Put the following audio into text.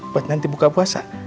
buat nanti buka puasa